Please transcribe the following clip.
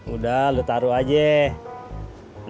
udah lu taruh aja